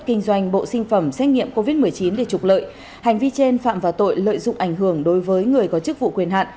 kinh doanh bộ sinh phẩm xét nghiệm covid một mươi chín để trục lợi hành vi trên phạm vào tội lợi dụng ảnh hưởng đối với người có chức vụ quyền hạn